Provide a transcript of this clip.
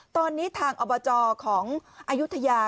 ตอนนี้ทางอบจของอายุทยา